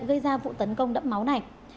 gây ra vụ tấn công đẫm máu này